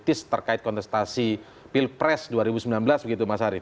jauh lebih kepada hal yang politis terkait kontestasi pilpres dua ribu sembilan belas begitu mas arief